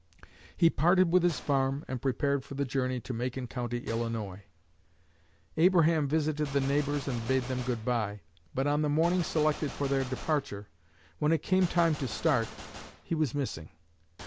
He parted with his farm and prepared for the journey to Macon County, Illinois. Abraham visited the neighbors and bade them goodbye; but on the morning selected for their departure, when it came time to start, he was missing.